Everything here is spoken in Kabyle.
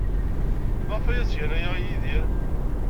Maɣef ay as-gan aya i Yidir?